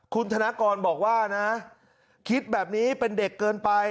คุณธนกรบอกว่านะคิดแบบนี้เป็นเด็กเกินไป